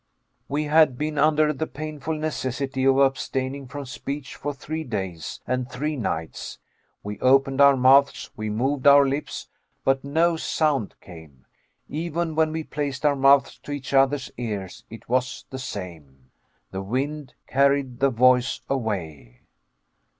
We had been under the painful necessity of abstaining from speech for three days and three nights. We opened our mouths, we moved our lips, but no sound came. Even when we placed our mouths to each other's ears it was the same. The wind carried the voice away.